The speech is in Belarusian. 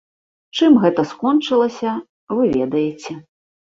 Чым гэта скончылася, вы ведаеце.